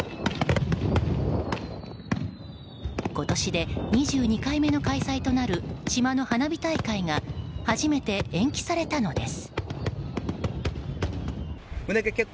今年で２２回目の開催となる島の花火大会が初めて延期されたのです。